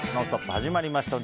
始まりました。